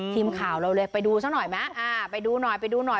ทีมข่าวเราเลยไปดูซะหน่อยไหมอ่าไปดูหน่อยไปดูหน่อย